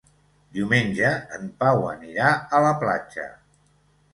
Diumenge en Pau anirà a la platja.